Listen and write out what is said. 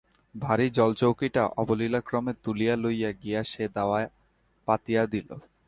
ভারী জলচৌকিটা অবলীলাক্রমে তুলিয়া লইয়া গিয়া সে দাওয়ায় পাতিয়া দিল।